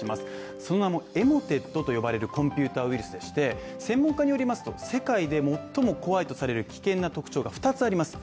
その名もエモテットと呼ばれるコンピューターウイルスでして専門家によりますと、世界で最も怖いとされる危険な特徴が二つあります。